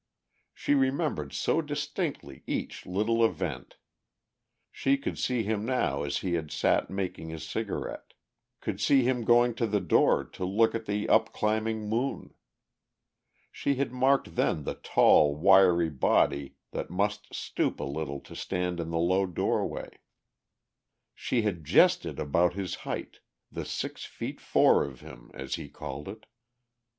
She remembered so distinctly each little event. She could see him now as he had sat making his cigarette, could see him going to the door to look at the upclimbing moon. She had marked then the tall, wiry body that must stoop a little to stand in the low doorway. She had jested about his height; the six feet four of him, as he called it....